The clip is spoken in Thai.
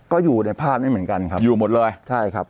ก็อยู่ในภาพนี้เหมือนกันครับอยู่หมดเลยใช่ครับ